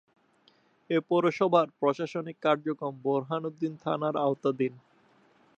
এ পৌরসভার প্রশাসনিক কার্যক্রম বোরহানউদ্দিন থানার আওতাধীন।